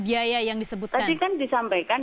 biaya yang disebut tadi kan disampaikan